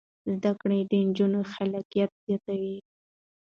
زده کړه د نجونو خلاقیت زیاتوي.